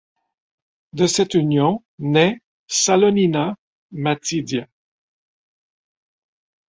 De cette union naît Salonina Matidia.